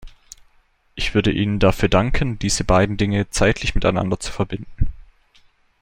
Ich würde Ihnen dafür danken, diese beiden Dinge zeitlich miteinander zu verbinden.